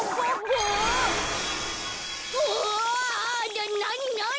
ななになに？